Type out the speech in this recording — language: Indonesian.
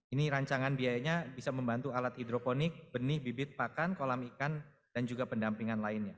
ini rancangan biayanya bisa membantu alat hidroponik benih bibit pakan kolam ikan dan juga pendampingan lainnya